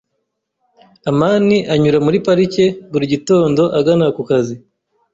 amani anyura muri parike buri gitondo agana ku kazi.